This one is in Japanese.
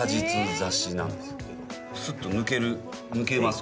すっと抜けます